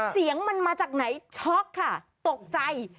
เสียงมันมาจากไหนช็อกค่ะตกใจ